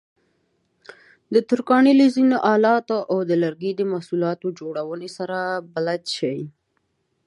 د ترکاڼۍ له ځینو آلاتو او د لرګیو محصولاتو جوړونې سره بلد شئ.